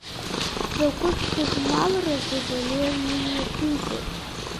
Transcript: Закәытә гызмалрази Валери имҩаԥигоз?